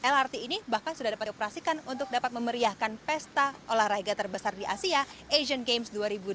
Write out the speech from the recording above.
lrt ini bahkan sudah dapat dioperasikan untuk dapat memeriahkan pesta olahraga terbesar di asia asian games dua ribu delapan belas